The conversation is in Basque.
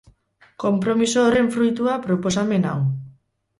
Konpromiso horren fruitua proposamen hau.